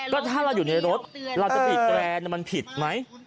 ก็ถ้าเราอยู่ในรถเราจะบีบแรนมันผิดไหม